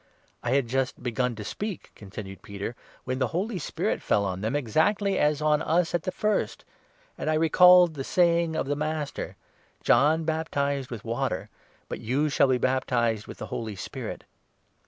I had 15 but just begun to speak," continued Peter, "when the Holy Spirit fell on them, exactly as on us at the first ; and I recalled 16 the saying of the Master — 'John baptized with water, but you shall be baptized with the Holy Spirit.'